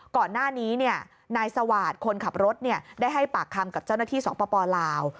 ก่อนหน้านี้นายสวาสตร์คนขับรถได้ให้ปากคำกับเจ้าหน้าที่สปลาว